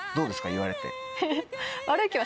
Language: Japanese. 言われて。